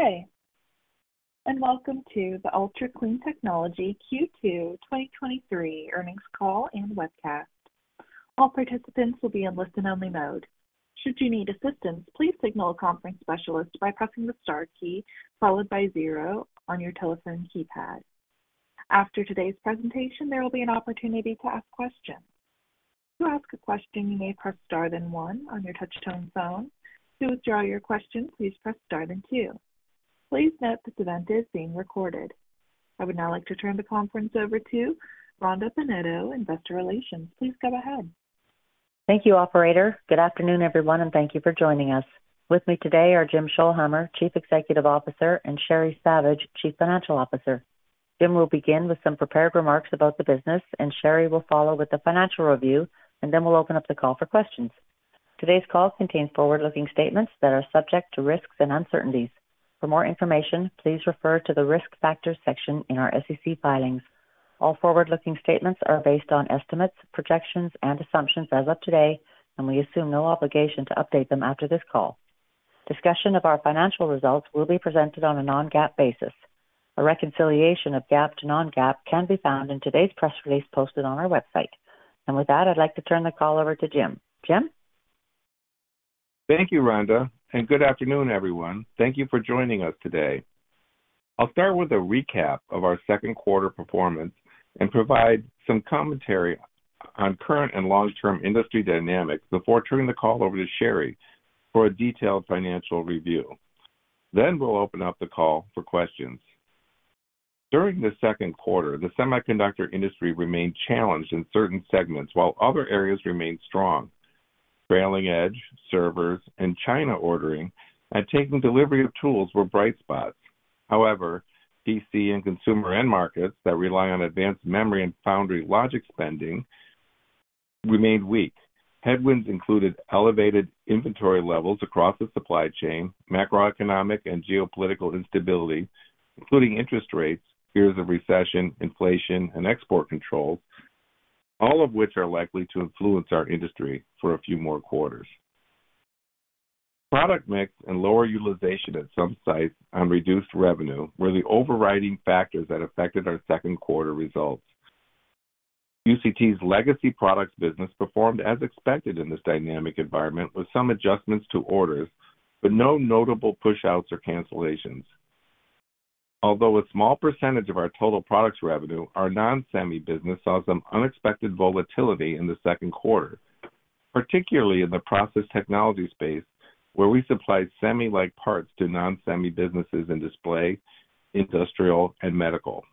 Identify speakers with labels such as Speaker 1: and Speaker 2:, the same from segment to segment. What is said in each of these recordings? Speaker 1: Good day, and welcome to the Ultra Clean Technology Q2 2023 earnings call and webcast. All participants will be in listen-only mode. Should you need assistance, please signal a conference specialist by pressing the star key followed by zero on your telephone keypad. After today's presentation, there will be an opportunity to ask questions. To ask a question, you may press star, then one on your touchtone phone. To withdraw your question, please press star, then two. Please note this event is being recorded. I would now like to turn the conference over to Rhonda Bennetto, investor relations. Please go ahead.
Speaker 2: Thank you, operator. Good afternoon, everyone, and thank you for joining us. With me today are Jim Scholhamer, Chief Executive Officer, and Sheri Savage, Chief Financial Officer. Jim will begin with some prepared remarks about the business, and Sheri will follow with the financial review, and then we'll open up the call for questions. Today's call contains forward-looking statements that are subject to risks and uncertainties. For more information, please refer to the Risk Factors section in our SEC filings. All forward-looking statements are based on estimates, projections, and assumptions as of today, and we assume no obligation to update them after this call. Discussion of our financial results will be presented on a non-GAAP basis. A reconciliation of GAAP to non-GAAP can be found in today's press release posted on our website. With that, I'd like to turn the call over to Jim. Jim?
Speaker 3: Thank you, Rhonda. Good afternoon, everyone. Thank you for joining us today. I'll start with a recap of our second quarter performance and provide some commentary on current and long-term industry dynamics before turning the call over to Sheri for a detailed financial review. We'll open up the call for questions. During the second quarter, the semiconductor industry remained challenged in certain segments, while other areas remained strong. Trailing edge, servers, and China ordering and taking delivery of tools were bright spots. However, PC and consumer end markets that rely on advanced memory and foundry logic spending remained weak. Headwinds included elevated inventory levels across the supply chain, macroeconomic and geopolitical instability, including interest rates, fears of recession, inflation, and export controls, all of which are likely to influence our industry for a few more quarters. Product mix and lower utilization at some sites on reduced revenue were the overriding factors that affected our second quarter results. UCT's legacy products business performed as expected in this dynamic environment, with some adjustments to orders, but no notable pushouts or cancellations. Although a small percentage of our total products revenue, our non-semi business saw some unexpected volatility in the second quarter, particularly in the process technology space, where we supplied semi-like parts to non-semi businesses in display, industrial, and medical.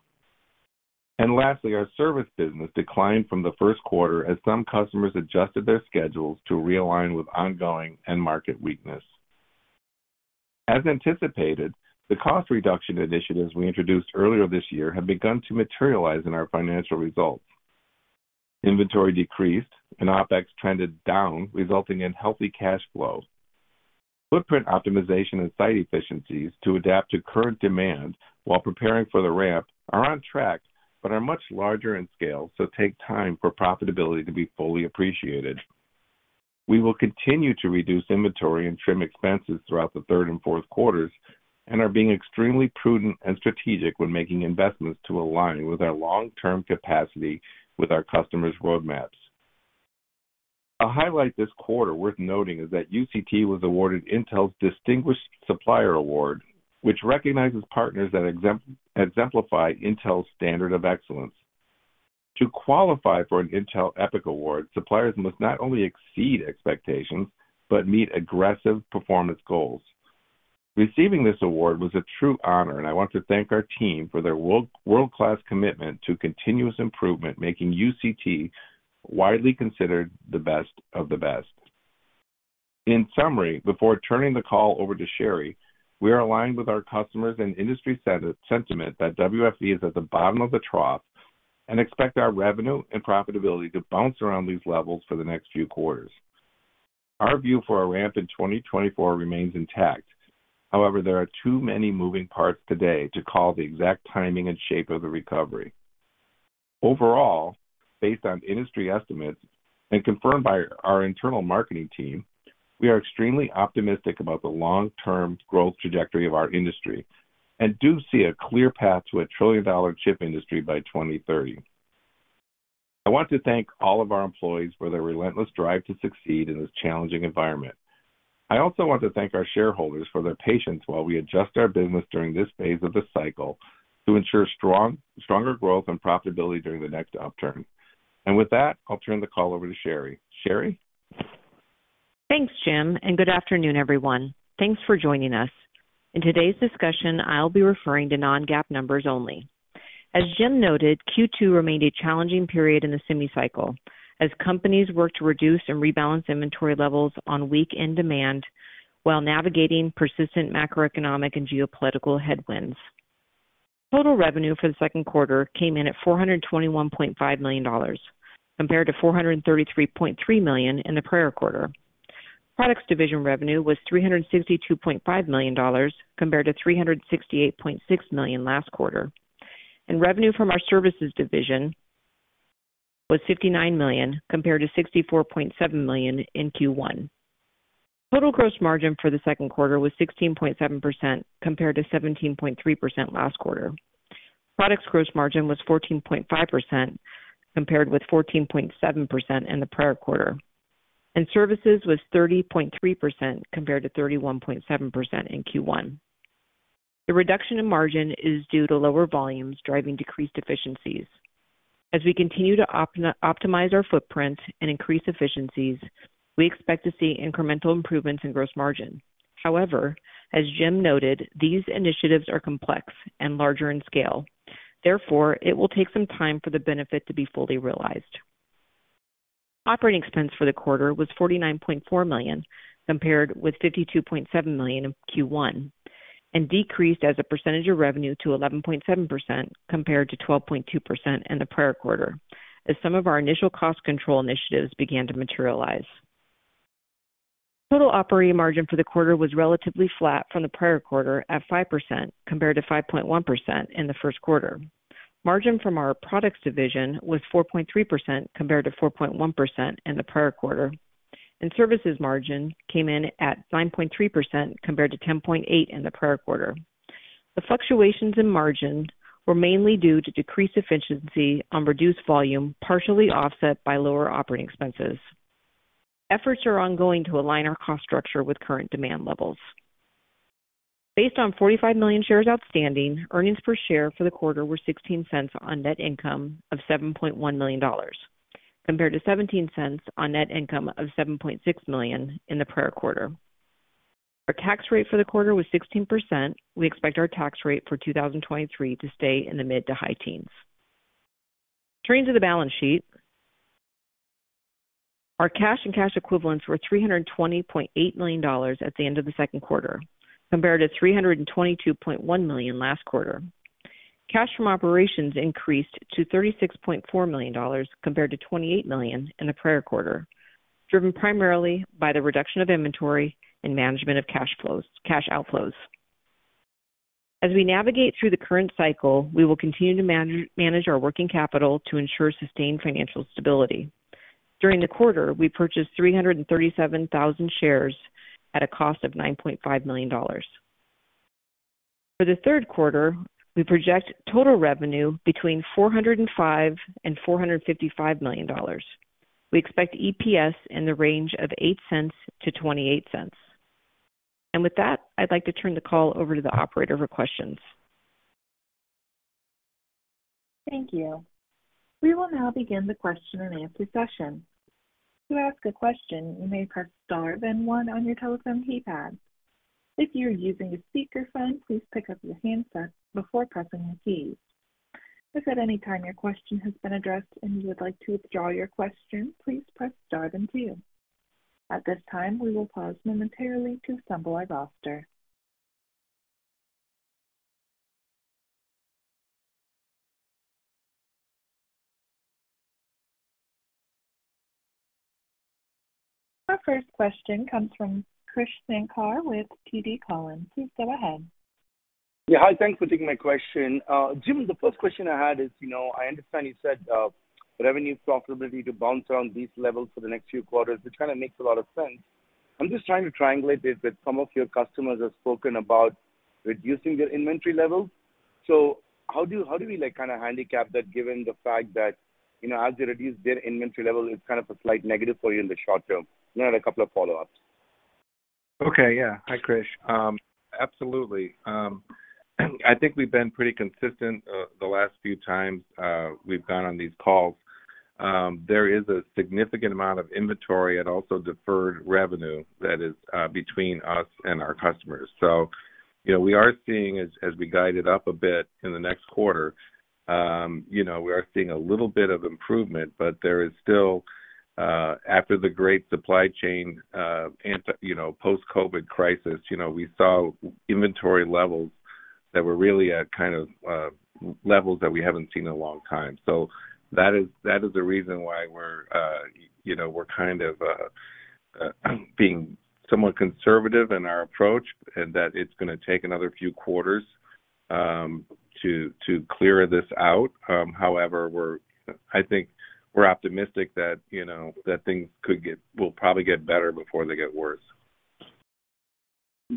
Speaker 3: Lastly, our service business declined from the first quarter as some customers adjusted their schedules to realign with ongoing end market weakness. As anticipated, the cost reduction initiatives we introduced earlier this year have begun to materialize in our financial results. Inventory decreased and OpEx trended down, resulting in healthy cash flow. Footprint optimization and site efficiencies to adapt to current demand while preparing for the ramp are on track, but are much larger in scale, so take time for profitability to be fully appreciated. We will continue to reduce inventory and trim expenses throughout the third and fourth quarters and are being extremely prudent and strategic when making investments to align with our long-term capacity with our customers' roadmaps. A highlight this quarter worth noting is that UCT was awarded Intel's Distinguished Supplier Award, which recognizes partners that exemplify Intel's standard of excellence. To qualify for an Intel EPIC Award, suppliers must not only exceed expectations but meet aggressive performance goals. Receiving this award was a true honor, and I want to thank our team for their world-class commitment to continuous improvement, making UCT widely considered the best of the best. In summary, before turning the call over to Sheri Savage, we are aligned with our customers and industry sentiment that WFE is at the bottom of the trough and expect our revenue and profitability to bounce around these levels for the next few quarters. Our view for our ramp in 2024 remains intact. There are too many moving parts today to call the exact timing and shape of the recovery. Overall, based on industry estimates and confirmed by our internal marketing team, we are extremely optimistic about the long-term growth trajectory of our industry and do see a clear path to a trillion-dollar chip industry by 2030. I want to thank all of our employees for their relentless drive to succeed in this challenging environment. I also want to thank our shareholders for their patience while we adjust our business during this phase of the cycle to ensure stronger growth and profitability during the next upturn. With that, I'll turn the call over to Sheri. Sheri?
Speaker 4: Thanks, Jim. Good afternoon, everyone. Thanks for joining us. In today's discussion, I'll be referring to non-GAAP numbers only. As Jim noted, Q2 remained a challenging period in the semi cycle as companies worked to reduce and rebalance inventory levels on weak end demand while navigating persistent macroeconomic and geopolitical headwinds. Total revenue for the second quarter came in at $421.5 million, compared to $433.3 million in the prior quarter. Products division revenue was $362.5 million compared to $368.6 million last quarter. Revenue from our services division was $59 million, compared to $64.7 million in Q1. Total gross margin for the second quarter was 16.7%, compared to 17.3% last quarter. Products gross margin was 14.5%, compared with 14.7% in the prior quarter, and services was 30.3%, compared to 31.7% in Q1. The reduction in margin is due to lower volumes driving decreased efficiencies. As we continue to optimize our footprint and increase efficiencies, we expect to see incremental improvements in gross margin. However, as Jim noted, these initiatives are complex and larger in scale. Therefore, it will take some time for the benefit to be fully realized. Operating expense for the quarter was $49.4 million, compared with $52.7 million in Q1. Decreased as a percentage of revenue to 11.7%, compared to 12.2% in the prior quarter, as some of our initial cost control initiatives began to materialize. Total operating margin for the quarter was relatively flat from the prior quarter at 5% compared to 5.1% in the first quarter. Margin from our products division was 4.3% compared to 4.1% in the prior quarter. Services margin came in at 9.3% compared to 10.8% in the prior quarter. The fluctuations in margin were mainly due to decreased efficiency on reduced volume, partially offset by lower operating expenses. Efforts are ongoing to align our cost structure with current demand levels. Based on 45 million shares outstanding, earnings per share for the quarter were $0.16 on net income of $7.1 million, compared to $0.17 on net income of $7.6 million in the prior quarter. Our tax rate for the quarter was 16%. We expect our tax rate for 2023 to stay in the mid to high teens. Turning to the balance sheet, our cash and cash equivalents were $320.8 million at the end of the second quarter, compared to $322.1 million last quarter. Cash from operations increased to $36.4 million, compared to $28.0 million in the prior quarter, driven primarily by the reduction of inventory and management of cash flows, cash outflows. As we navigate through the current cycle, we will continue to manage our working capital to ensure sustained financial stability. During the quarter, we purchased 337,000 shares at a cost of $9.5 million. For the third quarter, we project total revenue between $405 million and $455 million. We expect EPS in the range of $0.08-$0.28. With that, I'd like to turn the call over to the operator for questions.
Speaker 1: Thank you. We will now begin the question and answer session. To ask a question, you may press star then one on your telephone keypad. If you are using a speakerphone, please pick up your handset before pressing the keys. If at any time your question has been addressed and you would like to withdraw your question, please press star then two. At this time, we will pause momentarily to assemble our roster. Our first question comes from Krish Sankar with TD Cowen. Please go ahead.
Speaker 5: Yeah. Hi, thanks for taking my question. Jim, the first question I had is, you know, I understand you said revenue profitability to bounce on these levels for the next few quarters, which kind of makes a lot of sense. I'm just trying to triangulate this, but some of your customers have spoken about reducing their inventory levels. How do we like, kind of handicap that, given the fact that, you know, as they reduce their inventory level, it's kind of a slight negative for you in the short term? Then I had a couple of follow-ups.
Speaker 3: Okay. Yeah. Hi, Krish. Absolutely. I think we've been pretty consistent, the last few times, we've gone on these calls. There is a significant amount of inventory and also deferred revenue that is between us and our customers. You know, we are seeing as, as we guide it up a bit in the next quarter, you know, we are seeing a little bit of improvement, but there is still, after the great supply chain, You know, post-COVID crisis, you know, we saw inventory levels that were really at kind of, levels that we haven't seen in a long time. That is, that is the reason why we're, you know, we're kind of, being somewhat conservative in our approach, and that it's going to take another few quarters, to, to clear this out. We're I think we're optimistic that, you know, that things could get, will probably get better before they get worse.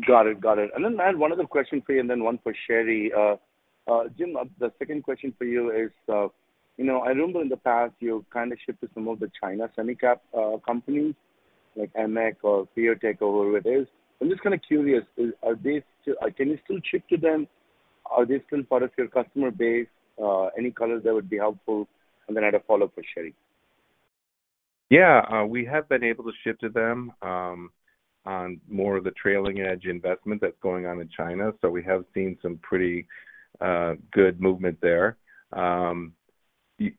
Speaker 5: Got it. Got it. Then I had one other question for you and then one for Sheri. Jim, the second question for you is, you know, I remember in the past, you kind of shipped to some of the China semi-cap companies like AMEC or Piotech, or whoever it is. I'm just kind of curious, can you still ship to them? Are they still part of your customer base? Any colors that would be helpful, and then I had a follow-up for Sheri.
Speaker 3: Yeah, we have been able to ship to them on more of the trailing edge investment that's going on in China. We have seen some pretty good movement there.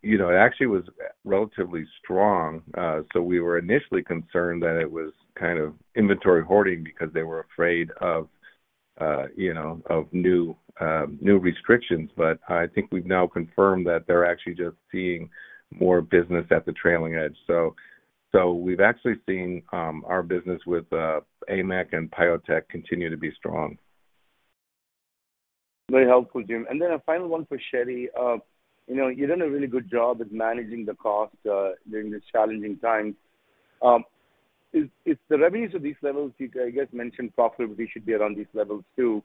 Speaker 3: You know, it actually was relatively strong, so we were initially concerned that it was kind of inventory hoarding because they were afraid of, you know, of new, new restrictions. I think we've now confirmed that they're actually just seeing more business at the trailing edge. So we've actually seen our business with AMEC and Piotech continue to be strong.
Speaker 5: Very helpful, Jim. Then a final one for Sheri. You know, you've done a really good job at managing the cost during this challenging time. If the revenues of these levels, you, I guess, mentioned profitability should be around these levels, too.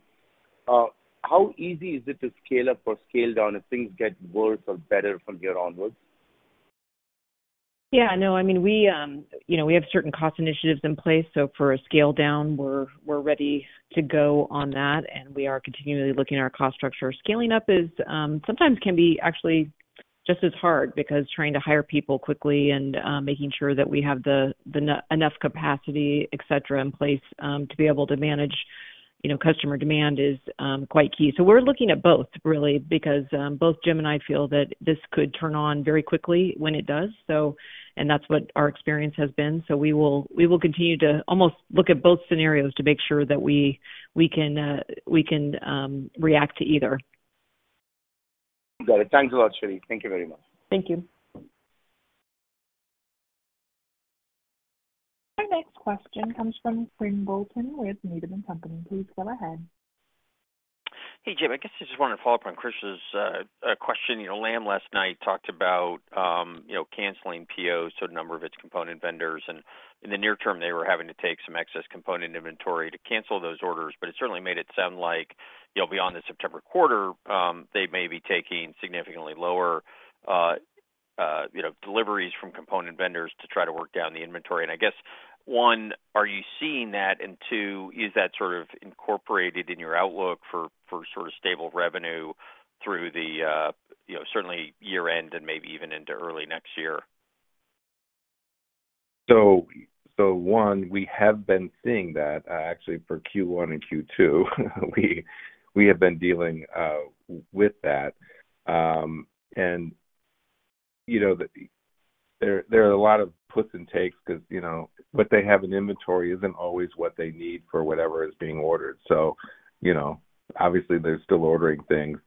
Speaker 5: How easy is it to scale up or scale down as things get worse or better from here onwards?
Speaker 4: Yeah, I know. I mean, we, you know, we have certain cost initiatives in place. For a scale down, we're, we're ready to go on that, and we are continually looking at our cost structure. Scaling up is sometimes can be actually just as hard because trying to hire people quickly and making sure that we have enough capacity, et cetera, in place, to be able to manage, you know, customer demand is quite key. We're looking at both really, because both Jim and I feel that this could turn on very quickly when it does. That's what our experience has been. We will, we will continue to almost look at both scenarios to make sure that we, we can, we can react to either.
Speaker 5: Got it. Thanks a lot, Sheri. Thank you very much.
Speaker 4: Thank you.
Speaker 1: Our next question comes from Quinn Bolton with Needham & Company. Please go ahead.
Speaker 6: Hey, Jim. I guess I just wanted to follow up on Chris's question. You know, Lam, last night talked about, you know, canceling POs to a number of its component vendors, and in the near term, they were having to take some excess component inventory to cancel those orders. It certainly made it sound like, you know, beyond the September quarter, they may be taking significantly lower, you know, deliveries from component vendors to try to work down the inventory. I guess, one, are you seeing that? And two, is that sort of incorporated in your outlook for, for sort of stable revenue through the, you know, certainly year-end and maybe even into early next year?
Speaker 3: So one, we have been seeing that, actually for Q1 and Q2. We, we have been dealing with that. You know, there, there are a lot of puts and takes because, you know, what they have in inventory isn't always what they need for whatever is being ordered. You know, obviously, they're still ordering things.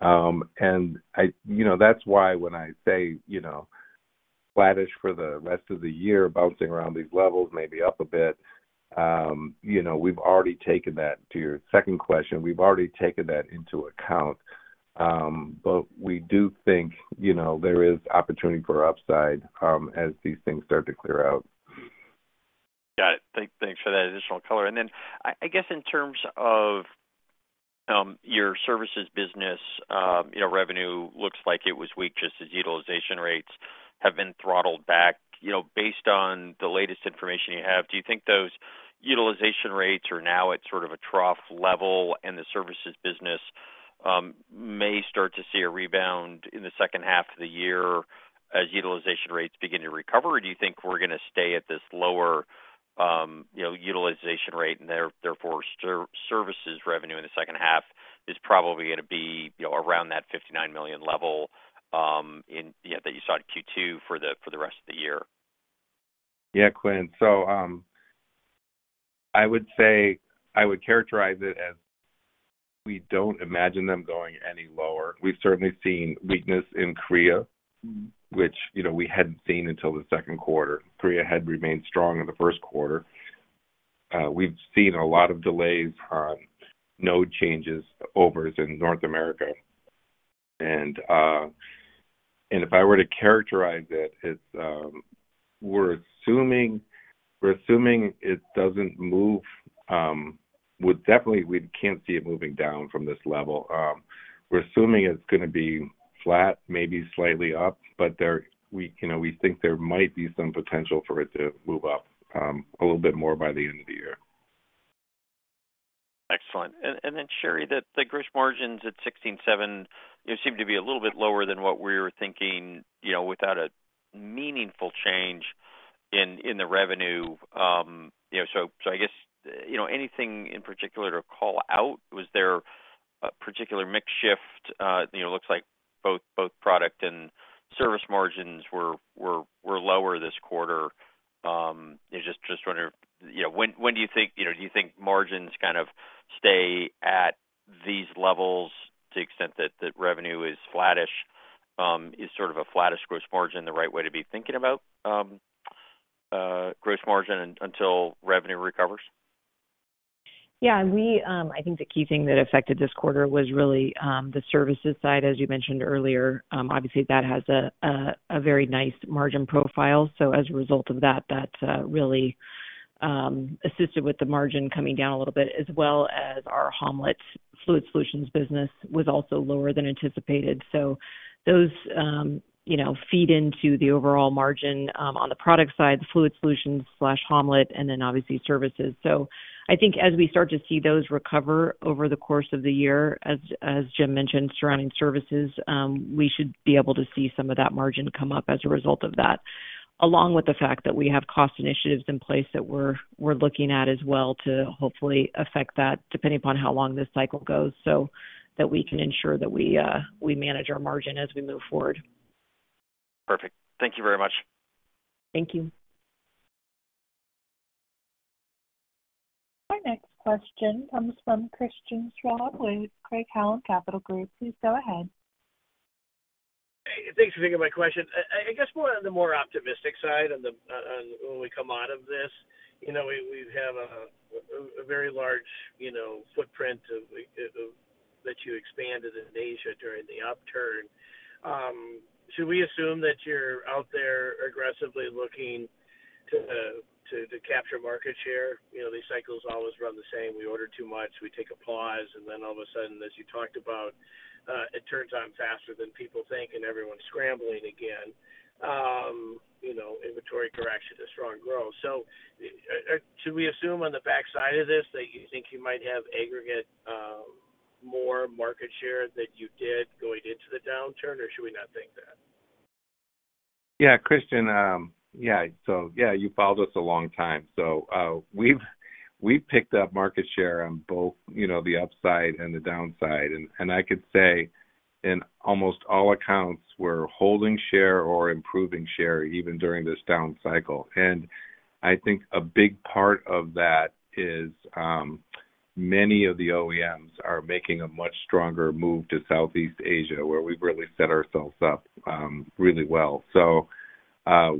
Speaker 3: You know, that's why when I say, you know, flattish for the rest of the year, bouncing around these levels, maybe up a bit, you know, we've already taken that. To your second question, we've already taken that into account. We do think, you know, there is opportunity for upside, as these things start to clear out.
Speaker 6: Got it. Thank, thanks for that additional color. Then, I guess in terms of your services business, you know, revenue looks like it was weak, just as utilization rates have been throttled back. You know, based on the latest information you have, do you think those utilization rates are now at sort of a trough level, and the services business may start to see a rebound in the second half of the year as utilization rates begin to recover? Or do you think we're going to stay at this lower, you know, utilization rate, and therefore, services revenue in the second half is probably going to be, you know, around that $59 million level, in, you know, that you saw in Q2 for the rest of the year?
Speaker 3: Yeah, Quinn. I would say I would characterize it as we don't imagine them going any lower. We've certainly seen weakness in Korea which, you know, we hadn't seen until the second quarter. Korea had remained strong in the first quarter. We've seen a lot of delays on node changeovers in North America. If I were to characterize it, it's, we're assuming, we're assuming it doesn't move. Well, definitely, we can't see it moving down from this level. We're assuming it's going to be flat, maybe slightly up, but there, we, you know, we think there might be some potential for it to move up a little bit more by the end of the year.
Speaker 6: Excellent. Sheri, the gross margins at 16.7%, you know, seem to be a little bit lower than what we were thinking, you know, without a meaningful change in the revenue. You know, so I guess, you know, anything in particular to call out? Was there a particular mix shift? You know, it looks like both product and service margins were lower this quarter. I just, just wondering, you know, when do you think, you know, do you think margins kind of stay at these levels to the extent that the revenue is flattish, is sort of a flattish gross margin, the right way to be thinking about gross margin until revenue recovers?
Speaker 4: Yeah, we, I think the key thing that affected this quarter was really the services side, as you mentioned earlier. Obviously, that has a, a, a very nice margin profile. As a result of that, that really assisted with the margin coming down a little bit, as well as our Ham-Let Fluid Solutions business was also lower than anticipated. Those, you know, feed into the overall margin on the product side, the Fluid Solutions/Ham-Let, and then obviously services. I think as we start to see those recover over the course of the year, as, as Jim mentioned, surrounding services, we should be able to see some of that margin come up as a result of that. Along with the fact that we have cost initiatives in place that we're, we're looking at as well to hopefully affect that, depending upon how long this cycle goes, so that we can ensure that we, we manage our margin as we move forward.
Speaker 6: Perfect. Thank you very much.
Speaker 4: Thank you.
Speaker 1: Our next question comes from Christian Schwab with Craig-Hallum Capital Group. Please go ahead.
Speaker 7: Thanks for taking my question. I, I guess more on the more optimistic side on the, on, on when we come out of this, you know, we, we have a, a very large, you know, footprint of, of that you expanded in Asia during the upturn. Should we assume that you're out there aggressively looking to, to, to capture market share? You know, these cycles always run the same. We order too much, we take a pause, and then all of a sudden, as you talked about, it turns on faster than people think, and everyone's scrambling again. You know, inventory correction to strong growth. Should we assume on the backside of this that you think you might have aggregate, more market share than you did going into the downturn, or should we not think that?
Speaker 3: Yeah, Christian, yeah. Yeah, you followed us a long time. We've, we've picked up market share on both, you know, the upside and the downside. I could say in almost all accounts, we're holding share or improving share, even during this down cycle. I think a big part of that is, many of the OEMs are making a much stronger move to Southeast Asia, where we've really set ourselves up really well.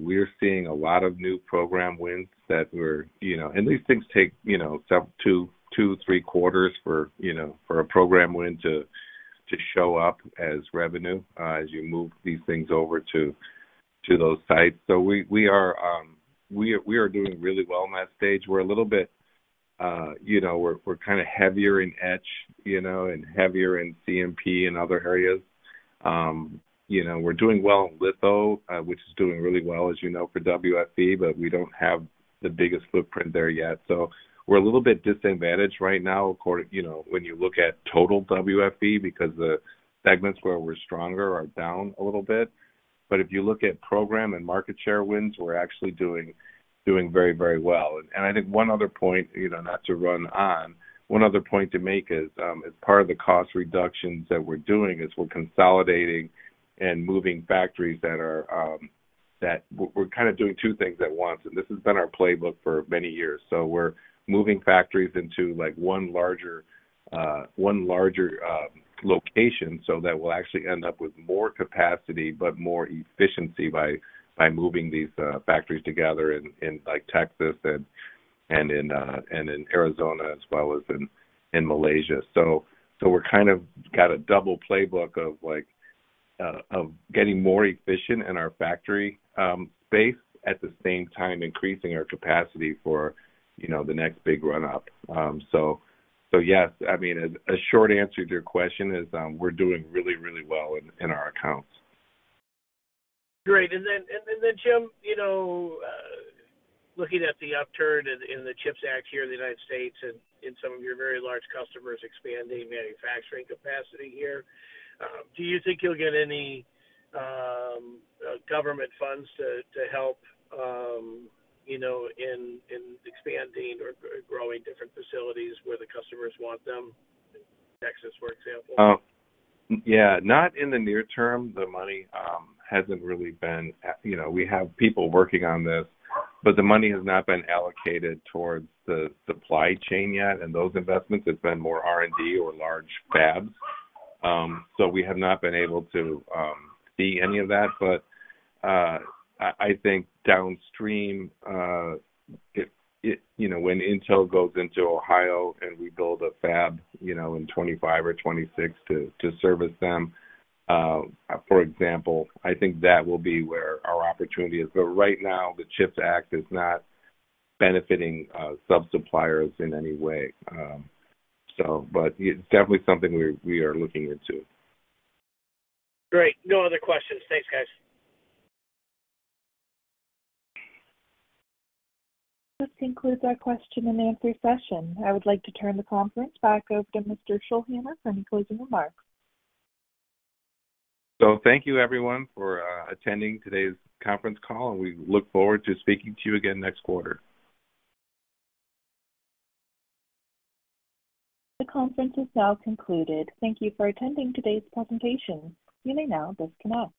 Speaker 3: We're seeing a lot of new program wins that we're, you know, and these things take, you know, some two, two, three quarters for, you know, for a program win to, to show up as revenue, as you move these things over to, to those sites. We, we are, we are doing really well in that stage. We're a little bit, you know, we're, we're kind of heavier in etch, you know, and heavier in CMP and other areas. You know, we're doing well in litho, which is doing really well, as you know, for WFE, but we don't have the biggest footprint there yet. We're a little bit disadvantaged right now, according, you know, when you look at total WFE, because the segments where we're stronger are down a little bit. If you look at program and market share wins, we're actually doing, doing very, very well. I think one other point, you know, not to run on, one other point to make is, as part of the cost reductions that we're doing is we're consolidating and moving factories that are that we're kind of doing two things at once, and this has been our playbook for many years. We're moving factories into, like, one larger, one larger location, so that we'll actually end up with more capacity, but more efficiency by moving these factories together in, in, like, Texas and, and in Arizona as well as in, in Malaysia. We're kind of got a double playbook of like, of getting more efficient in our factory space, at the same time increasing our capacity for, you know, the next big run-up. Yes, I mean, a, a short answer to your question is, we're doing really, really well in, in our accounts.
Speaker 7: Great. Then, and then, Jim, you know, looking at the upturn in, in the CHIPS Act here in the United States and in some of your very large customers expanding manufacturing capacity here, do you think you'll get any government funds to, to help, you know, in, in expanding or growing different facilities where the customers want them, Texas, for example?
Speaker 3: Yeah, not in the near term. The money hasn't really been, you know, we have people working on this, but the money has not been allocated towards the supply chain yet, and those investments have been more R&D or large fabs. We have not been able to see any of that. I, I think downstream, it, it, you know, when Intel goes into Ohio and we build a fab, you know, in 2025 or 2026 to service them, for example, I think that will be where our opportunity is. Right now, the CHIPS Act is not benefiting sub-suppliers in any way. It's definitely something we, we are looking into.
Speaker 7: Great. No other questions. Thanks, guys.
Speaker 1: This concludes our question and answer session. I would like to turn the conference back over to Mr. Scholhamer for any closing remarks.
Speaker 3: Thank you, everyone, for attending today's conference call, and we look forward to speaking to you again next quarter.
Speaker 1: The conference is now concluded. Thank you for attending today's presentation. You may now disconnect.